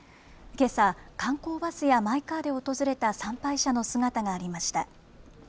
けさ、観光バスやマイカーで訪れた参拝者の姿がありました。